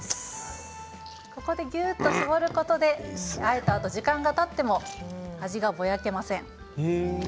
ここで、ぎゅっと絞ることであえたあと、時間がたっても味がぼやけません。